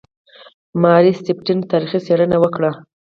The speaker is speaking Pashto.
ماري سټیفن تاریخي څېړنې وکړې.